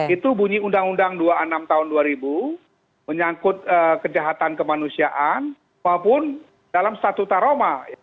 itu bunyi undang undang dua puluh enam tahun dua ribu menyangkut kejahatan kemanusiaan maupun dalam statuta roma